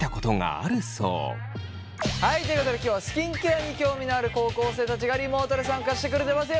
はいということで今日はスキンケアに興味のある高校生たちがリモートで参加してくれてます。